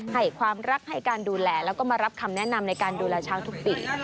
ให้ความรักให้การดูแลแล้วก็มารับคำแนะนำในการดูแลช้างทุกปี